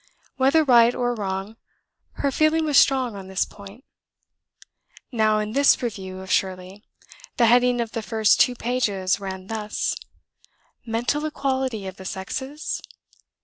Whether right or wrong, her feeling was strong on this point. Now in this review of Shirley, the heading of the first two pages ran thus: "Mental Equality of the Sexes?"